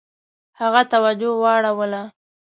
هغه توجه واړوله.